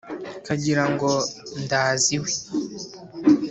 Kagira ngo ndaza iwe,